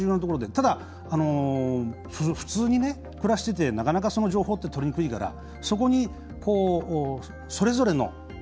ただ、普通に暮らしててなかなか、その情報って取りにくいからそこに、それぞれの。